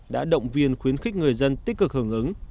đã động viên khuyến khích người dân tích cực hưởng ứng